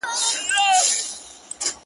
اولسونه به مي کله را روان پر یوه لار کې -